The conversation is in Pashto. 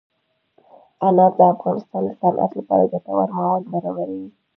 انار د افغانستان د صنعت لپاره ګټور مواد برابروي.